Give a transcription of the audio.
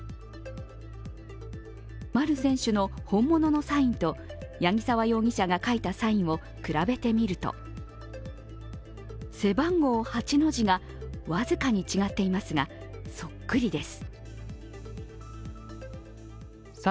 丸選手の本物のサインと八木沢容疑者が書いたサインを比べてみると背番号８の字が僅かに違っていますがそっくりです。